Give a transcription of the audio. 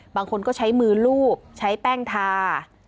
บางคนก็ใช้มือลูบใช้แป้งทา